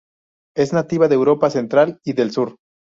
Es nativa de Europa Central y del Sur.